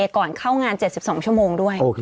ก่อนเข้างาน๗๒ชั่วโมงด้วย